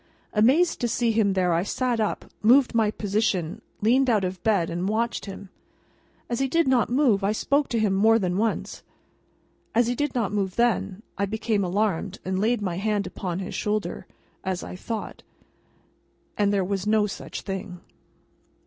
Amazed to see him there, I sat up, moved my position, leaned out of bed, and watched him. As he did not move, I spoke to him more than once. As he did not move then, I became alarmed and laid my hand upon his shoulder, as I thought—and there was no such thing.